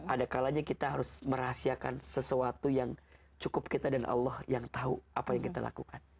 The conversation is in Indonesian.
ada kalanya kita harus merahasiakan sesuatu yang cukup kita dan allah yang tahu apa yang kita lakukan